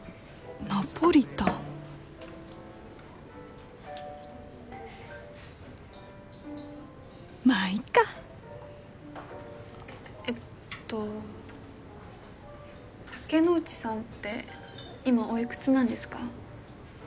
ナポリタンまっいっかえっと竹之内さんって今おいくつなんですか？